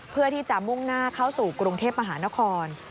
เพื่อที่จะมุ่งหน้าเข้าสู่กรุงเทพมหานคร